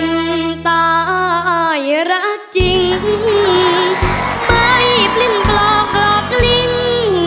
ว่าคนตายรักจริงไม่ปลิ้นปลอกหลอกลิ้ง